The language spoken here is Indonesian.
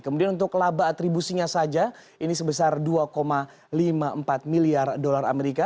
kemudian untuk laba atribusinya saja ini sebesar dua lima puluh empat miliar dolar amerika